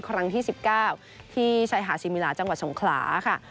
ครั้งที่๑๙ที่ชายหาดซิมิลาจังหวัดสงขลาค่ะ